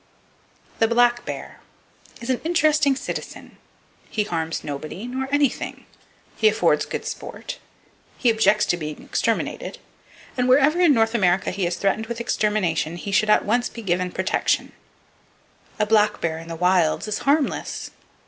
The Black Bear is an interesting citizen. He harms nobody nor anything; he affords good sport; he objects to being exterminated, and wherever in [Page 180] North America he is threatened with extermination, he should at once be given protection! A black bear in the wilds is harmless.